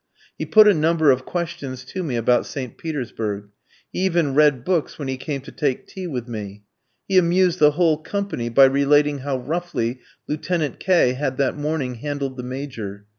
He put a number of questions to me about St. Petersburg; he even read books when he came to take tea with me. He amused the whole company by relating how roughly Lieutenant K had that morning handled the Major.